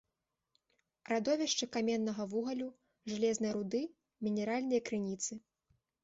Радовішчы каменнага вугалю, жалезнай руды, мінеральныя крыніцы.